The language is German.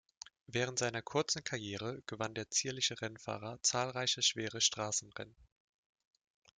Während seiner kurzen Karriere gewann der zierliche Rennfahrer zahlreiche schwere Straßenrennen.